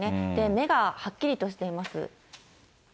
目がはっきりとしています。